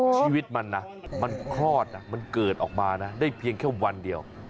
ชีวิตมันนะมันคลอดนะมันเกิดออกมานะได้เพียงแค่วันเดียว